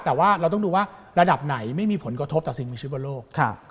แต่ว่าเราต้องดูว่าระดับไหนไม่มีผลกระทบต่อสิ่งมีชีวิตบนโลก